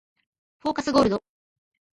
フォーカスゴールド